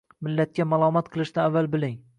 Millatga malomat qilishdan avval biling.